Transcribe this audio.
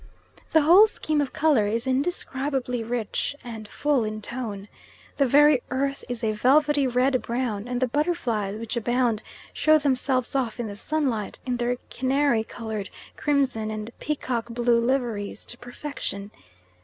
The whole scheme of colour is indescribably rich and full in tone. The very earth is a velvety red brown, and the butterflies which abound show themselves off in the sunlight, in their canary coloured, crimson, and peacock blue liveries, to perfection.